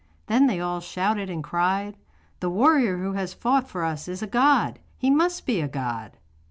Then they all shouted and cried: 'The warrior who has fought for us is a god! He must be a god.